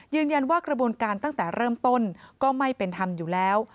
ยืนยันว่ากระบวนการตั้งแต่เริ่มต้นก็ไม่เป็นธรรมอยู่แล้ว